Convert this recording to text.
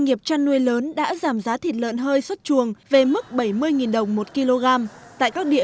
nghiệp chăn nuôi lớn đã giảm giá thịt lợn hơi xuất chuồng về mức bảy mươi đồng một kg tại các địa